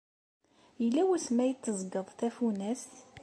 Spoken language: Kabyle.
Yella wasmi ay d-teẓẓgeḍ tafunast?